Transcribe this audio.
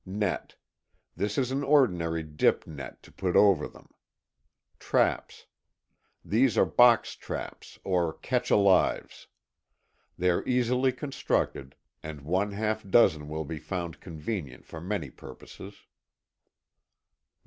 NetŌĆöThis is an ordinary dip net to put over them. TrapsŌĆöThese are box traps, or ŌĆ£catch alivesŌĆØ. They are easily constructed, and one half dozen will be found convenient for many purposes.